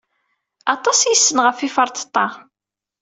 Aṭas i yessen ɣef yiferṭeṭṭa.